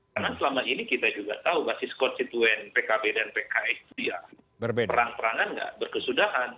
karena selama ini kita juga tahu basis konstituen pkp dan pks itu ya perang perangan nggak berkesudahan